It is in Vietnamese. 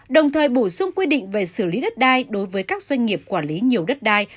đồng thời bổ sung quy định về xử lý đất đai đối với các doanh nghiệp quản lý nhiều đất đai